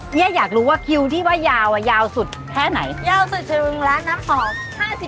เนี่ยอยากรู้ว่าคิวที่ว่ายาวยาวสุดแค่ไหนยาวสุดถึงร้านน้ำห่อ